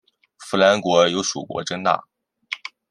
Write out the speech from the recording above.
扶南国有属国真腊。